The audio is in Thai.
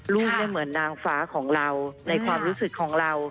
ลูกเหมือนนางฟ้าของเราในความรู้สึกของเรา